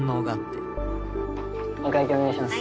お会計お願いします。